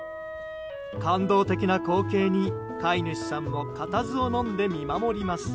感動的な光景に、飼い主さんも固唾をのんで見守ります。